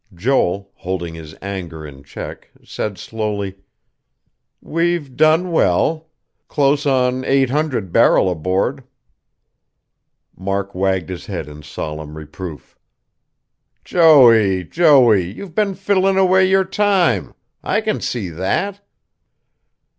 Joel, holding his anger in check, said slowly: "We've done well. Close on eight hundred barrel aboard." Mark wagged his head in solemn reproof. "Joey, Joey, you've been fiddling away your time. I can see that!"